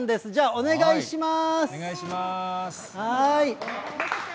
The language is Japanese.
お願いします。